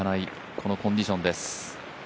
このコンディションです。